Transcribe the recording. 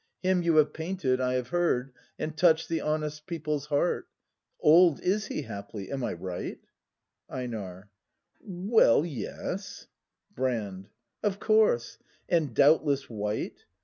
Him you have painted, I have heard. And touch'd the honest people's heart. Old is he haply; am I right? EiNAR. Well, yes Brand. Of course; and, doubtless, white